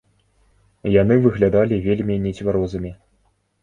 Яны выглядалі вельмі нецвярозымі.